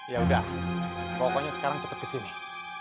ya udah pokoknya sekarang cepat kesini